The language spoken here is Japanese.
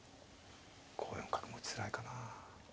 ５四角も打ちづらいかな。